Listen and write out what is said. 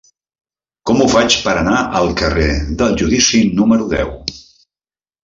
Com ho faig per anar al carrer del Judici número deu?